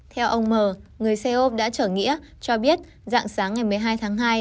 theo ông m người xe ôm đã trở nghĩa cho biết dạng sáng ngày một mươi hai tháng hai